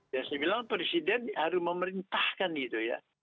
saya bilang presiden harus memerintahkan itu ya